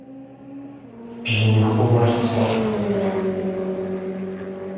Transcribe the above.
Бжьыныхумэр сфӏэфӏкъым.